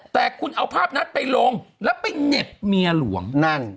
แต่คุณเอาภาพนั้นไปลงแล้วไปเหน็บเมียหลวงนั่น